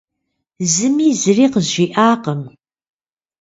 Зыми зыри къызжиӀакъым.